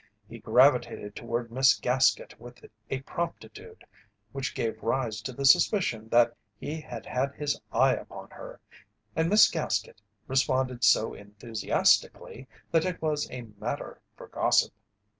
He gravitated toward Miss Gaskett with a promptitude which gave rise to the suspicion that he had had his eye upon her, and Miss Gaskett responded so enthusiastically that it was a matter for gossip.